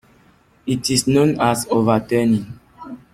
It is known as overturning.